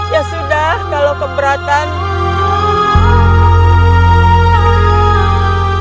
ya sudah kalau keberatan